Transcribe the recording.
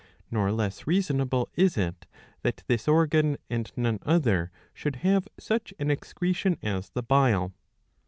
Nor less reasonable is it that this organ and none other should have such an excretion as the bile.